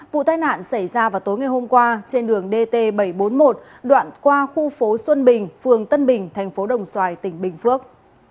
vụ tai nạn xảy ra vào tối ngày hôm qua trên đường dt bảy trăm bốn mươi một đoạn qua khu phố xuân bình phường tân bình thành phố đồng xoài tỉnh bình phước